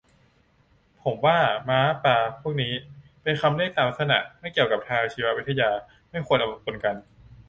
ผมว่า ม้า ปลา พวกนี้ เป็นคำเรียกตามลักษณะ ไม่เกี่ยวกับทางชีววิทยา ไม่ควรเอามาปนกัน